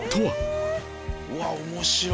うわっ面白い。